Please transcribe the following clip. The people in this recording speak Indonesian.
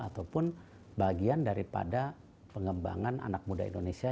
ataupun bagian daripada pengembangan anak muda indonesia